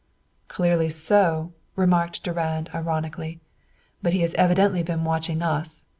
"Clearly so," remarked Durand ironically. "But he has evidently been watching us.